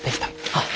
あっ。